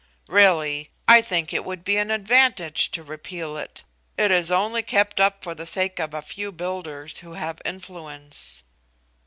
"Really, I think it would be an advantage to repeal it. It is only kept up for the sake of a few builders who have influence."